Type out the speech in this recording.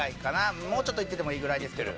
もうちょっといっててもいいぐらいですけど。